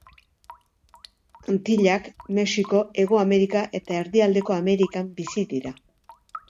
Antillak, Mexiko, Hego Amerika eta Erdialdeko Amerikan bizi dira.